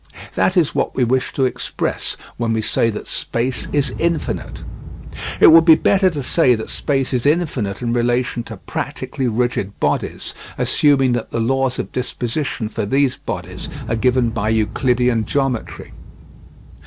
That is what we wish to express when we say that space is infinite. It would be better to say that space is infinite in relation to practically rigid bodies, assuming that the laws of disposition for these bodies are given by Euclidean geometry.